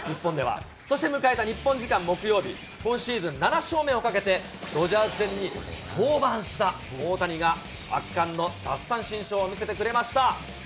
そして迎えた日本時間木曜日、今シーズン７勝目をかけて、ドジャーズ戦に登板した大谷が圧巻の奪三振ショーを見せてくれました。